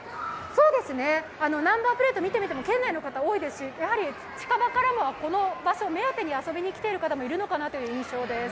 ナンバープレート見てみても県内の方が多いですしやはり近場からもこの場所を目当てに遊びに来ている方もいるのかなという印象です。